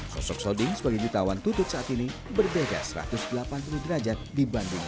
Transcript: sosok soding sebagai dutawan tutut saat ini berbeda satu ratus delapan puluh derajat dibanding